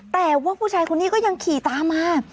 แต่ว่าผู้ชายคนนี้ก็ยังขี่ตามมา